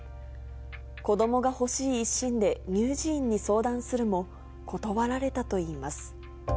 子どもが欲しい一心で、乳児院に相談するも、断られたといいます。